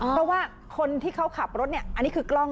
เพราะว่าคนที่เขาขับรถเนี่ยอันนี้คือกล้อง